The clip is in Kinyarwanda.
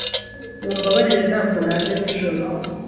Mumbabarire ntabwo naje nijoro.